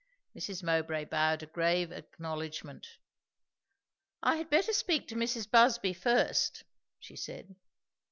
Mrs. Mowbray bowed a grave acknowledgment. "I had better speak to Mrs. Busby first," she said.